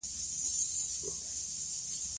تعلیم نجونو ته د زراعتي پرمختګ لارې ښيي.